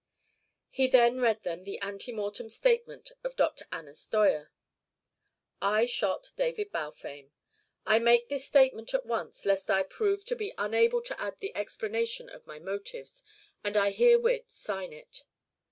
He then read them the ante mortem statement of Dr. Anna Steuer: "I shot David Balfame. "I make this statement at once lest I prove to be unable to add the explanation of my motives, and I herewith sign it."